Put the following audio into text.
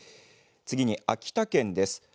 次に秋田県です。